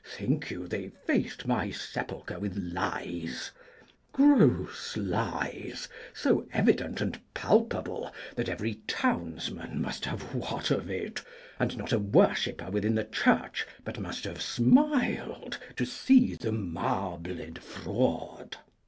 Think you they faced my sepulchre with lies — Gross lies, so evident and palpable That every townsman must have wot of it, And not a worshipper within the church But must have smiled to see the marbled fraud?